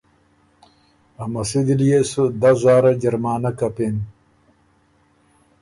ا مسودی ليې سو دس زاره جرمانۀ کپِن